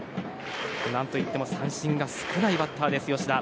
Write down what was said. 何といっても三振が少ないバッターです、吉田。